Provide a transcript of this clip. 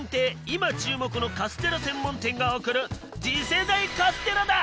今注目のカステラ専門店が送る次世代カステラだ！